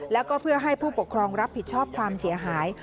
แล้วก็เพื่อให้ผู้ปกครองรับผิดชอบความเสียหาย